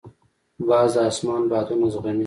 باز د اسمان بادونه زغمي